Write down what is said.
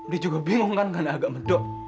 dia juga bingung kan karena agak medok